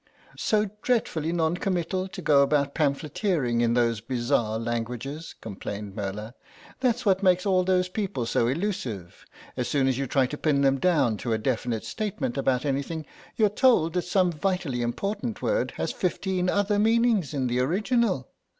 "So dreadfully non committal to go about pamphleteering in those bizarre languages," complained Merla; "that's what makes all those people so elusive. As soon as you try to pin them down to a definite statement about anything you're told that some vitally important word has fifteen other meanings in the original.